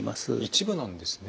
一部なんですね。